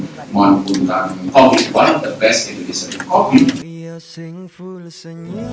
saya menikmati kopi dari manapun kami